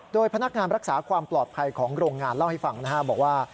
โดยพนักงานรักษาความปลอดภัยของโรงงานเล่าให้ฟังนะครับบอกว่า